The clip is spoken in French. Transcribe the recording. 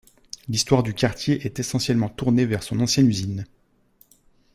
L’histoire du quartier est essentiellement tournée vers son ancienne usine.